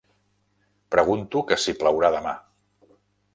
Pregunto que si plourà demà.